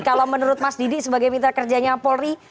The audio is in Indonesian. kalau menurut mas didi sebagai mitra kerjanya polri